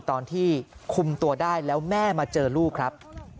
ตอนที่คุมตัวได้แล้วแม่มาเจอลูกครับ